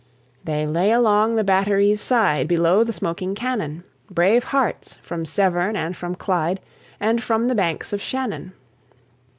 They lay along the battery's side, Below the smoking cannon: Brave hearts, from Severn and from Clyde, And from the banks of Shannon.